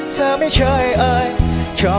เธอไม่เคยเอ่ย